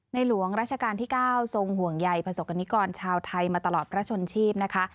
ในหลวงราชกาลที่เก้าทรงห่วงใหญ่พระศกรณิกรชาวไทยมาตลอดพระชนชีพนะคะ